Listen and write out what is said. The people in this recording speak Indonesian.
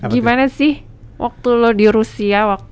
gimana sih waktu lo di rusia